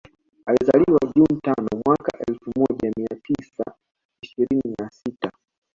Alizaliwa June tano mwaka elfu moja mia tisa ishirini na sita